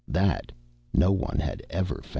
That no one had ever found.